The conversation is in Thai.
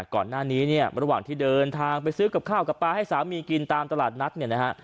ก่อนหน้านี้เนี่ยระหว่างที่เดินทางไปซื้อกับข้าวกับปลาให้สามีกินตามตลาดนัดเนี่ยนะฮะ